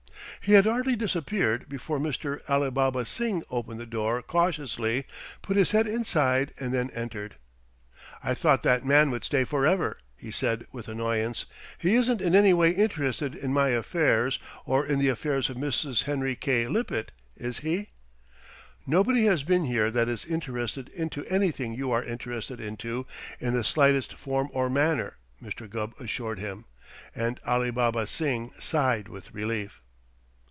He had hardly disappeared before Mr. Alibaba Singh opened the door cautiously, put his head inside and then entered. "I thought that man would stay forever," he said with annoyance. "He isn't in any way interested in my affairs or in the affairs of Mrs. Henry K. Lippett, is he?" "Nobody has been here that is interested into anything you are interested into in the slightest form or manner," Mr. Gubb assured him, and Alibaba Singh sighed with relief.